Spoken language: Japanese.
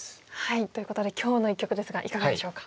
ということで今日の一局ですがいかがでしょうか？